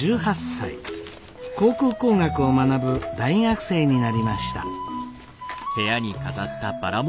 航空工学を学ぶ大学生になりました。